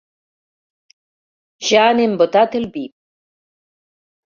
Ja han embotat el vi.